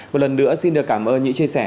một lần nữa xin được cảm ơn những chia sẻ